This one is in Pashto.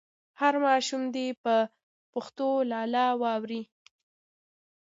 هر ماشوم دې په پښتو لالا واوري.